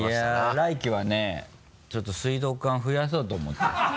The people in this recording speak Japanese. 来期はねちょっと水道管増やそうと思ってる。